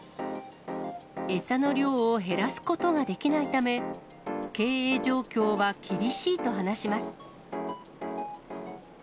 餌の量を減らすことができないため、経営状況は厳しいと話します。